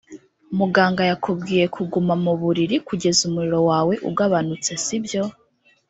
Muganga yakubwiye kuguma mu buriri kugeza umuriro wawe ugabanutse sibyo